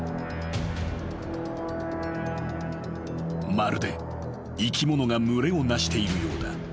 ［まるで生き物が群れを成しているようだ］